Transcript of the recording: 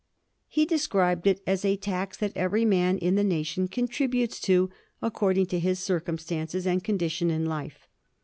He described it as a ' tax that every man in the nation contributes to according to his circumstances and condition in life.'